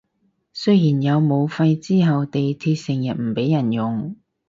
雖然有武肺之後地鐵成日唔畀人用